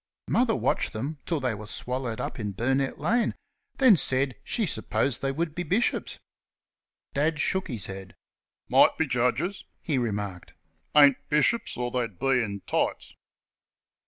Mother watched them till they were swallowed up in Burnett lane, then said she supposed they would be bishops. Dad shook his head. "Might be Judges," he remarked; "ain't bishops, or they'd be in tights."